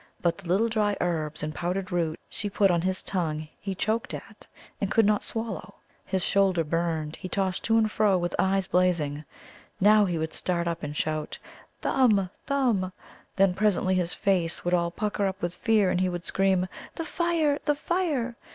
But the little dry herbs and powdered root she put on his tongue he choked at, and could not swallow. His shoulder burned, he tossed to and fro with eyes blazing. Now he would start up and shout, "Thumb, Thumb!" then presently his face would all pucker up with fear, and he would scream, "The fire, the fire!"